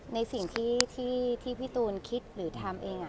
ในสิ่งที่พี่ตูนคิดหรือทำเอง